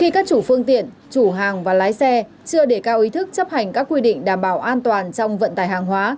các chủ phương tiện chủ hàng và lái xe chưa đề cao ý thức chấp hành các quy định đảm bảo an toàn trong vận tải hàng hóa